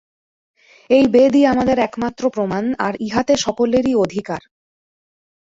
এই বেদই আমাদের একমাত্র প্রমাণ, আর ইহাতে সকলেরই অধিকার।